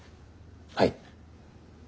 はい。